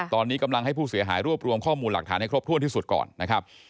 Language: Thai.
ตอนนี้กำลังให้ผู้เสียหายรวบรวมข้อมูลหลักฐานให้ครบถ้วนที่สุดก่อนนะครับ